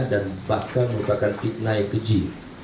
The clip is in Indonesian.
dan bahkan merupakan fitnah yang keji